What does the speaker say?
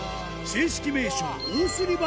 正式名称